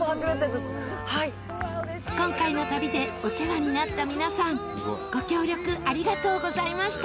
今回の旅でお世話になった皆さんありがとうございました。